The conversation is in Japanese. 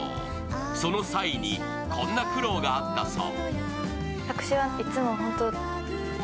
その際にこんな苦労があったそう。